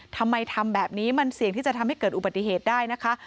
ทำแบบนี้มันเสี่ยงที่จะทำให้เกิดอุบัติเหตุได้นะคะ